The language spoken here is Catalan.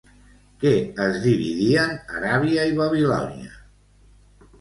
Què es dividien Aràbia i Babilònia?